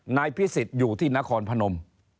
นายพิสิทธิ์อยู่ที่นครพนม